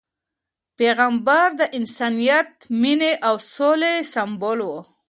پیغمبر د انسانیت، مینې او سولې سمبول و.